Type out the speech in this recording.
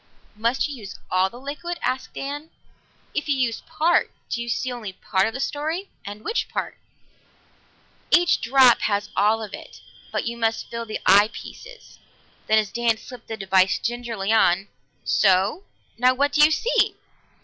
"Must you use all the liquid?" asked Dan. "If you use part, do you see only part of the story? And which part?" "Every drop has all of it, but you must fill the eye pieces." Then as Dan slipped the device gingerly on, "So! Now what do you see?"